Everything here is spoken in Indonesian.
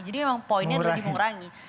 jadi memang poinnya adalah di mengurangi